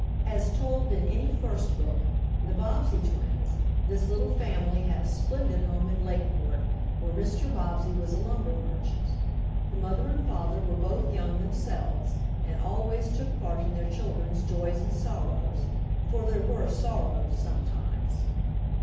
As told in any first book, "The Bobbsey Twins," this little family had a splendid home in Lakeport, where Mr. Bobbsey was a lumber merchant. The mother and father were both young themselves, and always took part in their children's joys and sorrows, for there were sorrows sometimes.